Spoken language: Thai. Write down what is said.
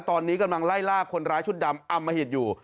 ตอนนี้กำลังไล่ล่าคนร้ายชุดดำอมหิตอยู่